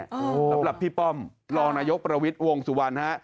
สำหรับพี่ป้อมรองนายกประวิทย์วงสุวรรณฮะ